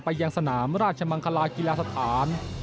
ยังสนามราชมังคลากีฬาสถาน